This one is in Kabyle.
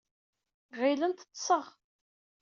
Ɣilent ḍḍseɣ.